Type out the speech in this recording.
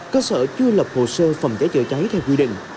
cơ sở chưa lập hồ sơ phòng cháy chữa cháy theo quy định